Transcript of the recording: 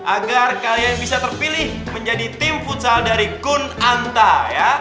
agar kalian bisa terpilih menjadi tim futsal dari kun anta